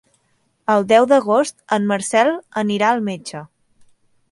El deu d'agost en Marcel anirà al metge.